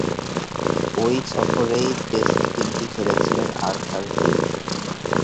ঐ সফরেই টেস্ট তিনটি খেলেছিলেন আর্থার হিল।